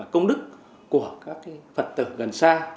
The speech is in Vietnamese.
công đức của các phật tử gần xa